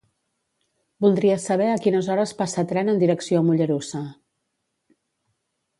Voldria saber a quines hores passa tren en direcció a Mollerussa.